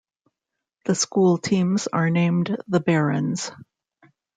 The school teams are named the Barons.